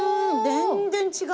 全然違う！